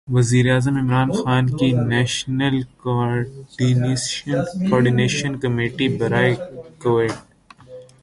وزیرِ اعظم عمران خان کی نیشنل کوارڈینیشن کمیٹی برائے کوویڈ